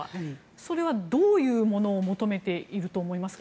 それはどういうものを求めていると思いますか？